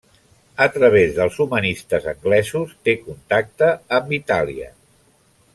A través dels humanistes anglesos té contacte amb Itàlia.